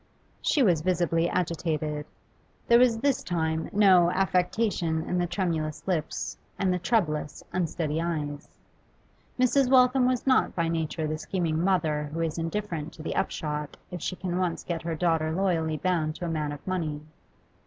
She was visibly agitated. There was this time no affectation in the tremulous lips and the troublous, unsteady eyes. Mrs. Waltham was not by nature the scheming mother who is indifferent to the upshot if she can once get her daughter loyally bound to a man of money.